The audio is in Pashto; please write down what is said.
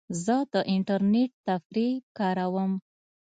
زه د انټرنیټ تفریح کاروم.